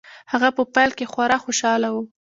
هغه په پيل کې خورا خوشحاله و.